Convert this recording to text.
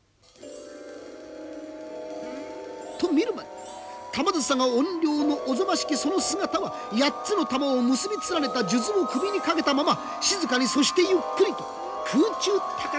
と見る間に玉梓が怨霊のおぞましきその姿は八つの珠を結び連ねた数珠を首にかけたまま静かにそしてゆっくりと空中高く舞い上がる。